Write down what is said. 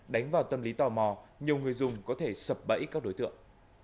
đánh vào tâm lý tò mò nhiều người dùng có thể sập bẫy các đối tượng